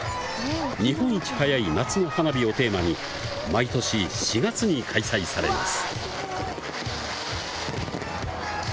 日本一早い夏の花火をテーマに毎年４月に開催されます。